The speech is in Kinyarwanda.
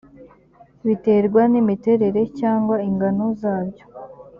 biterwa n’imiterere cyangwa ingano zabyo